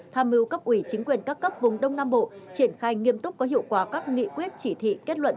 tham mưu cấp ủy chính quyền các cấp vùng đông nam bộ triển khai nghiêm túc có hiệu quả các nghị quyết chỉ thị kết luận